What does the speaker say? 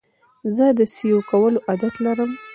زه د سیو کولو عادت لرم.